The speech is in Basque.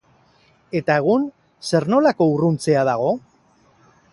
Eta egun zer nolako urruntzea dago?